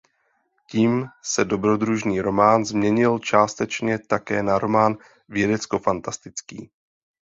Tím se dobrodružný román změnil částečně také na román vědeckofantastický.